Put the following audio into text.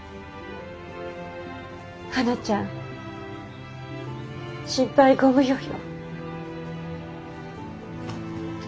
はなちゃん心配ご無用よ。